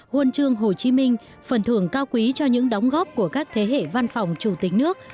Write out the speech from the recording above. huân chương hồ chí minh phần thưởng cao quý cho những đóng góp của các thế hệ văn phòng chủ tịch nước